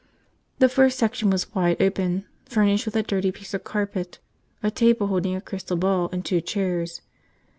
The first section was wide open, furnished with a dirty piece of carpet, a table holding a crystal ball, and two chairs.